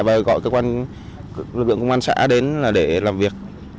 và gọi cơ quan lực lượng công an xã đến để làm việc